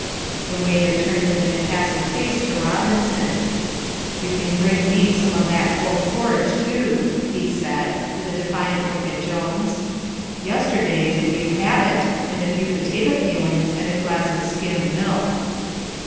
The waiter turned with an impassive face to Robinson. "You can bring me some of that cold porridge too," he said, with a defiant look at Jones; "yesterday's, if you have it, and a few potato peelings and a glass of skim milk."